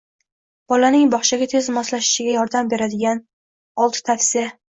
Bolaning bog‘chaga tez moslashishiga yordam beradiganoltitavsiya